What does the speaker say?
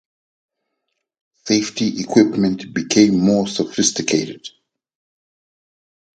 Safety equipment become more sophisticated.